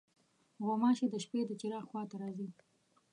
غوماشې د شپې د چراغ خوا ته راځي.